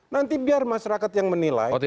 nanti biar masyarakat yang menilai